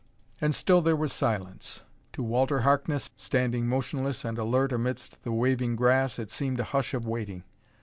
And still there was silence. To Walter Harkness, standing motionless and alert amidst the waving grass, it seemed a hush of waiting.